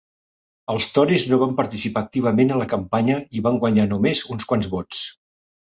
Els tories no van participar activament en la campanya i van guanyar només uns quants vots.